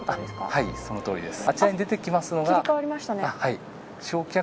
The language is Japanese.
はい、そのとおりです。